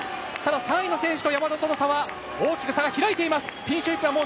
３位の選手と山田との差は大きく開いている。